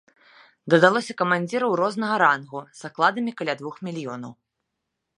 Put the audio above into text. Дадалося камандзіраў рознага рангу з акладамі каля двух мільёнаў.